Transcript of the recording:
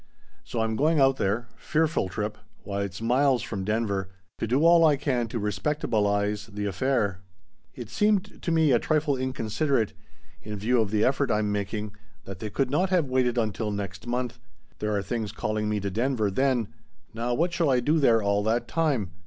So I'm going out there fearful trip why it's miles from Denver to do all I can to respectablize the affair. It seemed to me a trifle inconsiderate in view of the effort I'm making that they could not have waited until next month; there are things calling me to Denver then. Now what shall I do there all that time?